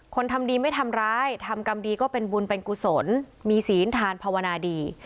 ทำดีไม่ทำร้ายทำกรรมดีก็เป็นบุญเป็นกุศลมีศีลทานภาวนาดี